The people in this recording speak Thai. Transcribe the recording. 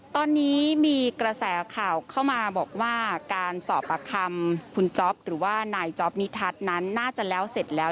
ตอนนี้มีกระแสข่าวเข้ามาบอกว่าการสอบปากคำคุณจ๊อปหรือว่านายจ๊อปนิทัศน์นั้นน่าจะแล้วเสร็จแล้ว